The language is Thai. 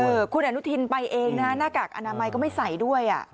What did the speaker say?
คุณอนุทินไปเองนะฮะหน้ากากอนามัยก็ไม่ใส่ด้วยอ่ะ